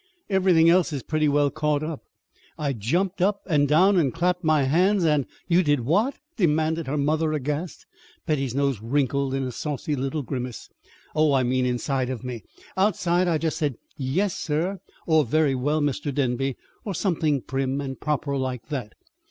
Everything else is pretty well caught up.' I jumped up and down and clapped my hands, and " "You did what?" demanded her mother aghast. Betty's nose wrinkled in a saucy little grimace. "Oh, I mean inside of me. Outside I just said, 'Yes, sir,' or 'Very well, Mr. Denby,' or something prim and proper like that.